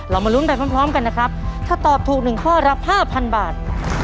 มาลุ้นไปพร้อมกันนะครับถ้าตอบถูกหนึ่งข้อรับ๕๐๐บาท